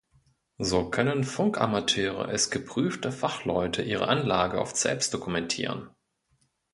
So können Funkamateure als geprüfte Fachleute ihre Anlage oft selbst dokumentieren.